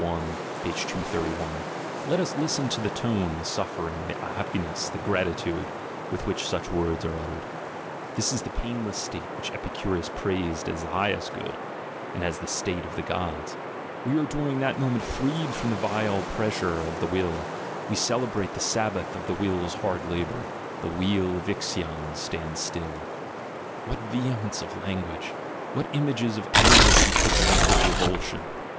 231); let us ASCETIC IDEALS 105 listen to the tone, the suffering, the happiness, the grati tude, with which such words are uttered: "This is the painless state which Epicurus praised as the highest good and as the state of the gods; we are during that moment freed from the vile pressure of the will, we celebrate the Sabbath of the will's hard labour, the wheel of Ixion stands still." What vehemence of language! What images of anguish and protracted revulsion!